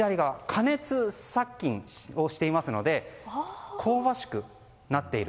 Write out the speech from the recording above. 加熱殺菌をしていますので香ばしくなっている。